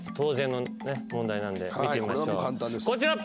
こちら。